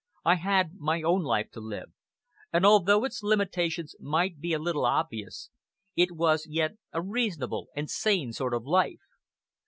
I had my own life to live, and although its limitations might be a little obvious, it was yet a reasonable and sane sort of life.